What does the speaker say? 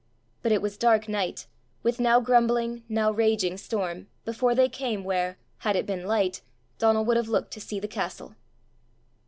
But it was dark night, with now grumbling now raging storm, before they came where, had it been light, Donal would have looked to see the castle.